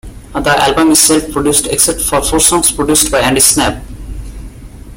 The album is self-produced except for four songs produced by Andy Sneap.